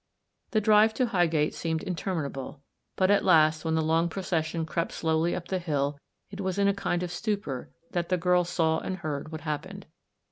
The drive to Highgate seemed intermi nable, but at last, when the long procession crept slowly up the hill, it was in a kind of stupor that the girl saw and heard what hap AN END AND A BEGINNING. 1 petied.